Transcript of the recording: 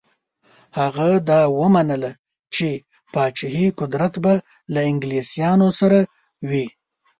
هغه دا ومنله چې پاچهي قدرت به له انګلیسیانو سره وي.